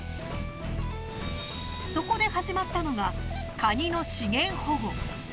そこで、始まったのがカニの資源保護。